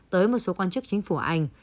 tới một số quan chức chính phủ anh